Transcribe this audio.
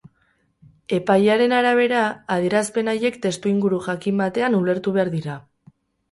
Epailearen arabera, adierazpen haiek testuinguru jakin batean ulertu behar dira.